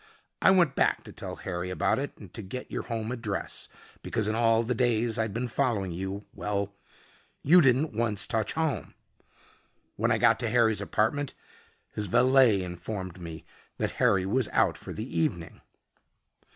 I went back to tell Harry about it and to get your home address, because in all the days I'd been following you well, you didn't once touch home. When I got to Harry's apartment, his valet informed me that Harry was out for the evening."